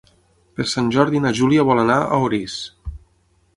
Per Sant Jordi na Júlia vol anar a Orís.